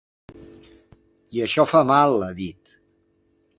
I això fa mal, ha dit.